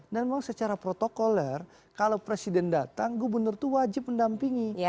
dan memang secara protokoler kalau presiden datang gubernur itu wajib mendampingi